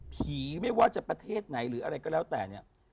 ไม่ว่าจะประเทศไหนหรืออะไรก็แล้วแต่เนี่ย